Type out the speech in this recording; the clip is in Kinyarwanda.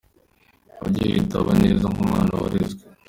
Ujye witaba neza nk’umwana warezwe.